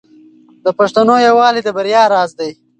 د پښتنو یووالی د بریا راز دی.